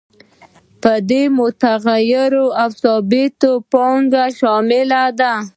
په دې کې متغیره او ثابته پانګه شامله ده